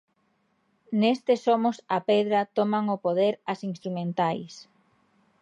Neste Somos a Pedra toman o poder as instrumentais.